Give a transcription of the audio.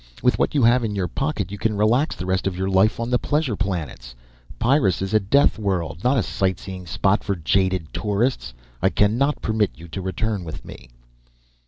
With what you have in your pocket you can relax the rest of your life on the pleasure planets. Pyrrus is a death world, not a sightseeing spot for jaded tourists. I cannot permit you to return with me."